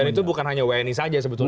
dan itu bukan hanya wni saja sebetulnya